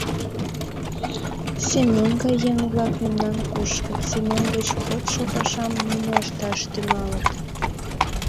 Семен гай еҥ-влак мемнан кушкыт, Семен деч кодшо пашам нуно ышташ тӱҥалыт.